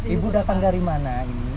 ibu datang dari mana ini